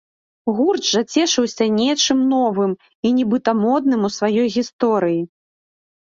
Гурт жа цешыўся нечым новым і нібыта модным у сваёй гісторыі.